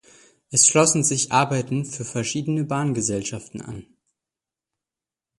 Es schlossen sich Arbeiten für verschiedene Bahngesellschaften an.